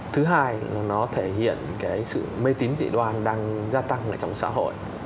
thứ hai là nó thể hiện cái sự mê tín dị đoan đang gia tăng trong xã hội